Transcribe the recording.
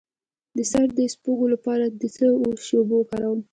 د سر د سپږو لپاره د څه شي اوبه وکاروم؟